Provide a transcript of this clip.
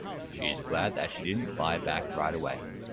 She is glad that she didn't fire back right away.